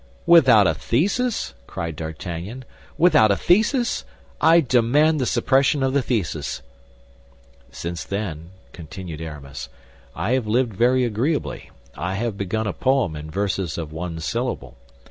"Without a thesis?" cried D'Artagnan, "without a thesis? I demand the suppression of the thesis." "Since then," continued Aramis, "I have lived very agreeably. I have begun a poem in verses of one syllable.